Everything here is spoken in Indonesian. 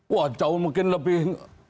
wah jauh mungkin lebih